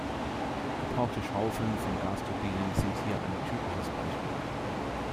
Gebrauchte Schaufeln von Gasturbinen sind hier ein typisches Beispiel.